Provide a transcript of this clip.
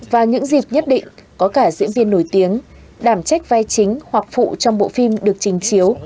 và những dịp nhất định có cả diễn viên nổi tiếng đảm trách vai chính hoặc phụ trong bộ phim được trình chiếu